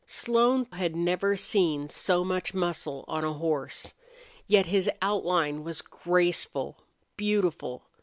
Slone had never seen so much muscle on a horse. Yet his outline was graceful, beautiful.